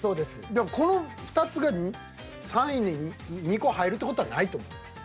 この２つが３位に２個入るって事はないと思う。